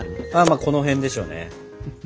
まあこの辺でしょうね。